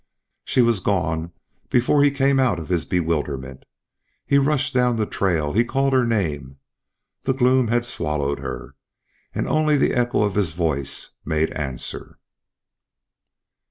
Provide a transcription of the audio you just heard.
She was gone before he came out of his bewilderment. He rushed down the trail; he called her name. The gloom had swallowed her, and only the echo of his voice made answer.